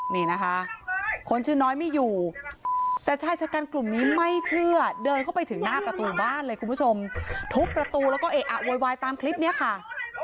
นี่นะคะคนชื่อน้อยไม่อยู่แต่ชายชะกันกลุ่มนี้ไม่เชื่อเดินเข้าไปถึงหน้าประตูบ้านเลยคุณผู้ชมทุบประตูแล้วก็เอะอะโวยวายตามคลิปนี้ค่ะ